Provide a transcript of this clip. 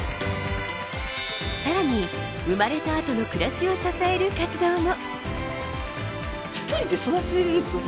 さらに生まれたあとの暮らしを支える活動も。